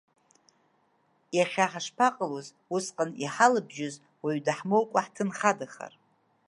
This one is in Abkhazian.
Иахьа ҳашԥаҟалоз усҟан иҳалабжьоз уаҩ даҳмоукәа ҳҭынхадахар?!